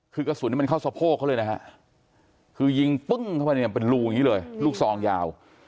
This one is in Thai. คือกระสุนมันเข้าสะโพกเขาเลยนะฮะคือยิงปึ้งเข้าไปเนี่ยเป็นรูอย่างนี้เลยลูกซองยาว